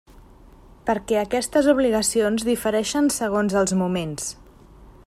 Perquè aquestes obligacions difereixen segons els moments.